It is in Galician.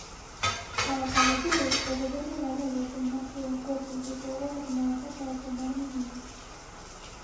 Para Caballero, o Goberno galego "ten marxe de acordos de cogobernanza para tomar medidas".